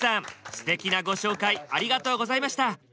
すてきなご紹介ありがとうございました。